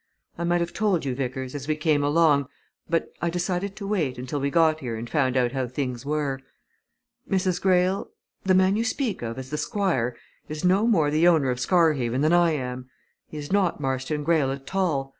"I might have told you, Vickers, as we came along, but I decided to wait, until we got here and found out how things were. Mrs. Greyle, the man you speak of as the Squire, is no more the owner of Scarhaven than I am! He is not Marston Greyle at all.